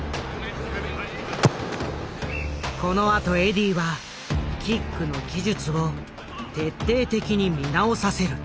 このあとエディーはキックの技術を徹底的に見直させる。